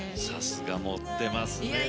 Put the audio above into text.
さすが、もってますね。